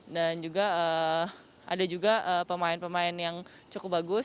dan juga ada juga pemain pemain yang cukup bagus